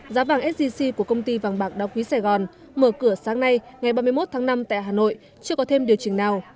giá vàng sgc của công ty vàng bạc đa quý sài gòn mở cửa sáng nay ngày ba mươi một tháng năm tại hà nội chưa có thêm điều chỉnh nào